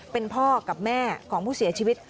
เป็นพ่อกับแม่ของผู้เสียชีวิต